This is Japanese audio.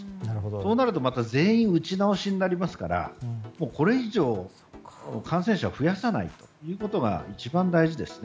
そうなるとまた全員打ち直しになりますからこれ以上、感染者を増やさないことが一番大事ですね。